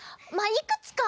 いくつか。